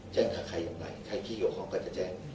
แจ้งหากใครอย่างไรใครขี้เกี่ยวของก็จะแจ้ง